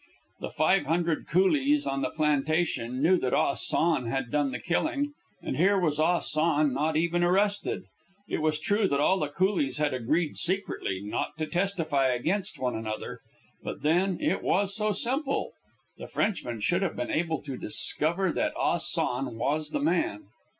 The five hundred coolies on the plantation knew that Ah San had done the killing, and here was Ah San not even arrested. It was true that all the coolies had agreed secretly not to testify against one another; but then, it was so simple, the Frenchmen should have been able to discover that Ah San was the man.